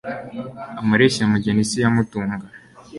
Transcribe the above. amareshyamugeni si yo amutunga